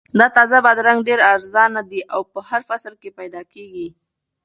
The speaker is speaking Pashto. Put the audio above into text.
دا تازه بادرنګ ډېر ارزانه دي او په هر فصل کې پیدا کیږي.